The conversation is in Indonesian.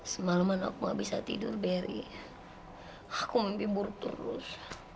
semaleman aku abis tidur beri aku mimpi buruk terus